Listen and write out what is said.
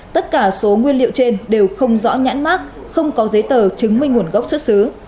tất cả số nguyên liệu trên đều không rõ nhãn mát không có giấy tờ chứng minh nguồn gốc xuất xứ